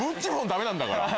ダメなんだから。